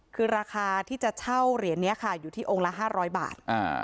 คือราคาที่จะเช่าเหรียญนี้ค่ะอยู่ที่องค์ละ๕๐๐บาท